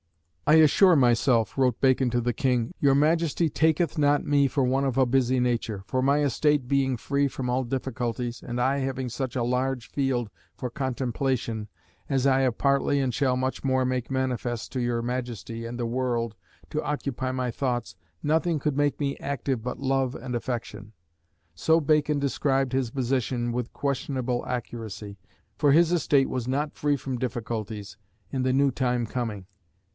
"I assure myself," wrote Bacon to the King, "your Majesty taketh not me for one of a busy nature; for my estate being free from all difficulties, and I having such a large field for contemplation, as I have partly and shall much more make manifest unto your Majesty and the world, to occupy my thoughts, nothing could make me active but love and affection." So Bacon described his position with questionable accuracy for his estate was not "free from difficulties" in the new time coming.